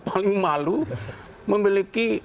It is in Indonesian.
paling malu memiliki